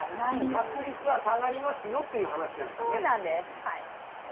確率は下がりますよっていう話なんですね。